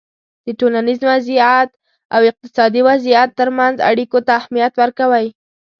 د ټولنیز وضععیت او اقتصادي وضعیت ترمنځ اړیکو ته اهمیت ورکوی